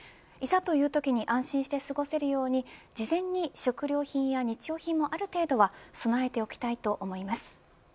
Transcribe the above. いざというときに安心して過ごせるように事前に食料品や日用品もある程度は備えておきたいと思います。